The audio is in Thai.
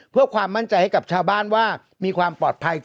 เหมือนเป็นการการันตียืนยันว่าปลอดภัย